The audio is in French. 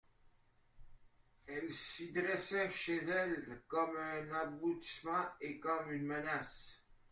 Elle s'y dressait chez elle, comme un aboutissement et comme une menace.